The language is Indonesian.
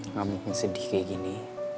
kamu pun sedih kayak gini